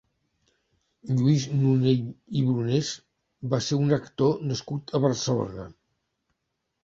Lluís Nonell i Brunés va ser un actor nascut a Barcelona.